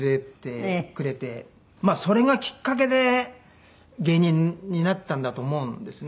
それがきっかけで芸人になったんだと思うんですね。